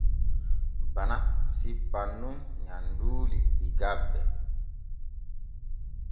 Bana sippan nun nyamduuli ɗi gabbe.